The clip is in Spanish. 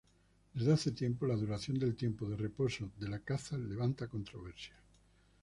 Desde hace tiempo la duración del tiempo de reposo de la caza levanta controversias.